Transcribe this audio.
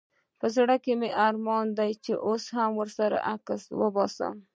په زړه مي ارمان چي زه هم ورسره عکس وباسم